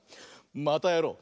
またやろう！